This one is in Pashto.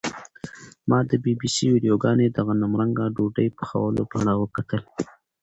ما د بي بي سي ویډیوګانې د غنمرنګه ډوډۍ پخولو په اړه وکتلې.